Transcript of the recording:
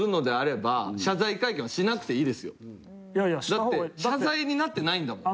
だって謝罪になってないんだもん。